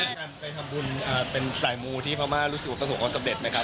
แฟนไปทำบุญเป็นสายมูที่ค่อนข้างรู้สึกว่าประสงค์ของสำเด็จไหมครับ